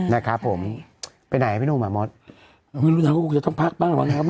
นะครับผมไปไหนพี่หนูหมามอดไม่รู้นะว่าจะต้องพักบ้างหรือเปล่านะครับ